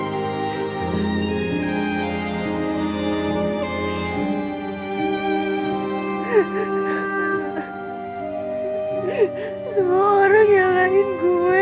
semua orang yang lain gue men